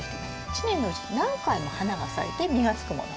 一年のうちに何回も花が咲いて実がつくもの。